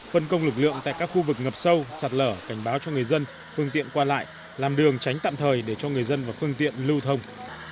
phân công lực lượng tại các khu vực ngập sâu sạt lở cảnh báo cho người dân phương tiện qua lại làm đường tránh tạm thời để cho người dân và phương tiện lưu thông